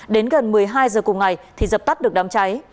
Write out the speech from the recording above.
đến gần một mươi hai giờ cùng ngày thì dập tắt được đám cháy